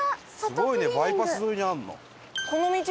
すごいねバイパス沿いにあるの？